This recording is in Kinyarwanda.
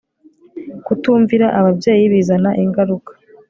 kutumvira ababyeyi bizana ingaruka